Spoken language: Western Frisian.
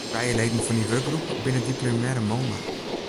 Trije leden fan dy wurkgroep binne diplomearre moolner.